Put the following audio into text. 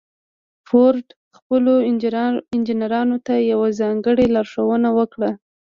فورډ خپلو انجنيرانو ته يوه ځانګړې لارښوونه وکړه.